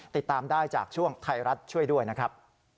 ติดตามได้จากช่วงไทยรัฐช่วยด้วยนะครับ